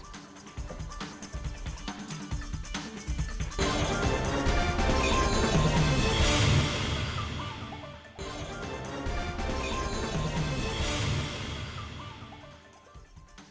bagaimana cara untuk mengambil alih virus covid sembilan belas